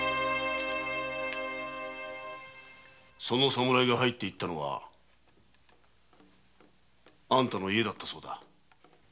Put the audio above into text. その侍が入っていったのはあんたの家だったそうだ。